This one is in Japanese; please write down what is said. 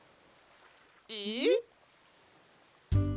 えっ？